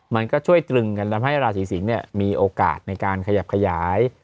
มันก็ช่วยตรึงกันทำให้ราศีสิงศ์มีโอกาสในการขยับขยาย